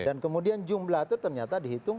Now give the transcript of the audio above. dan kemudian jumlah itu ternyata dihitung